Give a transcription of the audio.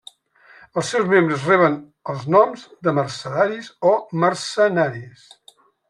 Els seus membres reben els noms de mercedaris o mercenaris.